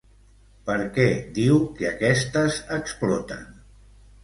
Per què diu que aquestes exploten?